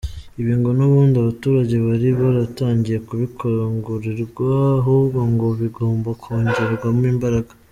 Ibi ngo n’ubundi abaturage bari baratangiye kubikangurirwa, ahubwo ngo bigomba kongerwamo imbaraga.